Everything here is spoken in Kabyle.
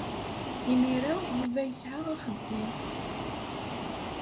Imir-a, Yuba yesɛa axeddim.